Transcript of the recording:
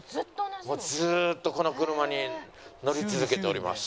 もうずーっとこの車に乗り続けております。